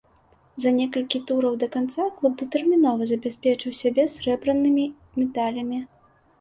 За некалькі тураў да канца клуб датэрмінова забяспечыў сябе срэбранымі медалямі.